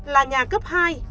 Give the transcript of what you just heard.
là nhà cấp hai ba